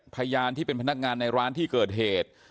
พยานที่เป็นพนักงานร้านเคยนะครับ